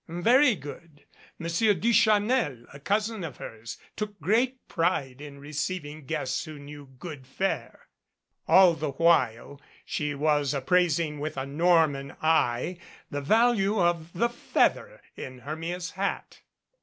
Very good. Monsieur Duchanel, a cousin of hers, took great pride in receiving guests who knew good fare. All the while she was appraising with a Norman eye the value of the feather in Hermia's hat.